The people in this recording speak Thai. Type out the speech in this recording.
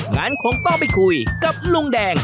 งั้นคงต้องไปคุยกับลุงแดง